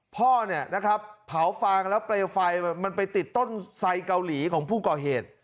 พ่อเนี่ยนะครับเผาฟางแล้วเปลวไฟมันไปติดต้นไซเกาหลีของผู้ก่อเหตุ